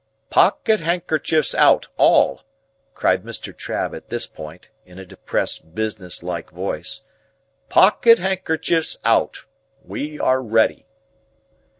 "Pocket handkerchiefs out, all!" cried Mr. Trabb at this point, in a depressed business like voice. "Pocket handkerchiefs out! We are ready!"